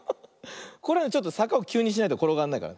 これちょっとさかをきゅうにしないところがんないから。